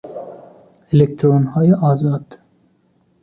الکترونهای آزاد